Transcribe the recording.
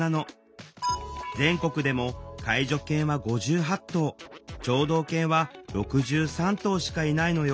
全国でも介助犬は５８頭聴導犬は６３頭しかいないのよ。